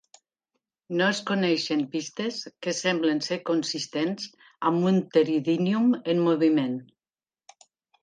No es coneixen pistes que semblin ser consistents amb un "Pteridinium" en moviment.